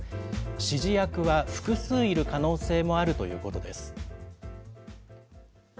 指示役は複数いる可能性があるということです。